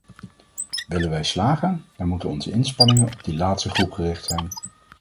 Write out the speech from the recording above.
Willen wij slagen, dan moeten onze inspanningen op die laatste groep gericht zijn.